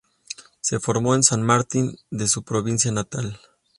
Se formó en San Martín de su provincia natal.